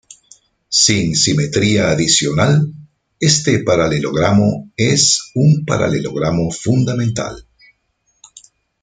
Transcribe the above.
Sin simetría adicional, este paralelogramo es un paralelogramo fundamental.